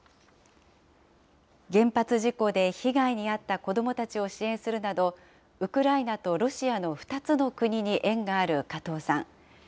原発事故で被害に遭った子どもたちを支援するなど、ウクライナとロシアの２つの国に縁がある加藤さん。